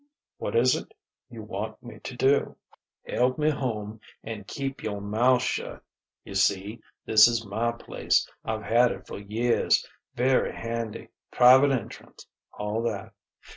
"What is it you want me to do?" "Help me home and keep your mouth shut.... You see, this is my place; I've had it years; very handy private entrance all that....